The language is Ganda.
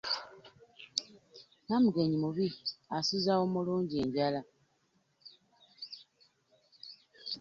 Namugenyi mubi-asuuza omulungi enjala.